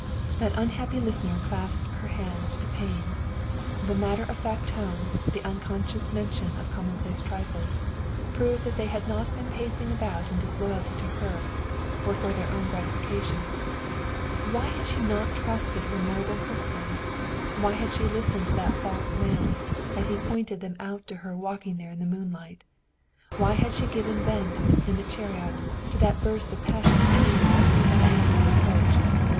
That unhappy listener clasped her hands to pain. The matter of fact tone, the unconscious mention of commonplace trifles, proved that they had not been pacing about in disloyalty to her, or for their own gratification. Why had she not trusted her noble husband? Why had she listened to that false man, as he pointed them out to her walking there in the moonlight? Why had she given vent, in the chariot, to that burst of passionate tears, of angry reproach?